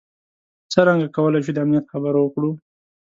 څرنګه کولای شو د امنیت خبره وکړو.